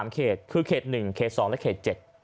เขตคือเขต๑เขต๒และเขต๗